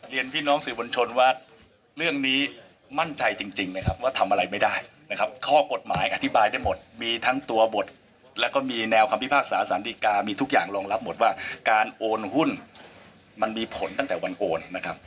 เรียนพี่น้องสื่อบนชนว่าเรื่องนี้มั่นใจจริงนะครับว่าทำอะไรไม่ได้นะครับข้อกฎหมายอธิบายได้หมดมีทั้งตัวบทแล้วก็มีแนวคำพิพากษาสารดีกามีทุกอย่างรองรับหมดว่าการโอนหุ้นมันมีผลตั้งแต่วันโอนนะครับ